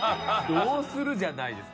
「どうする？」じゃないです。